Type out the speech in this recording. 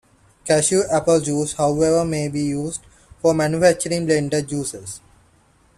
Cashew apple juice, however, may be used for manufacturing blended juices.